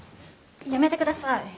やめてください！